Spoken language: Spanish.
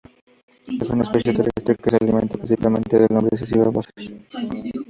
Es una especie terrestre que se alimenta principalmente de lombrices y babosas.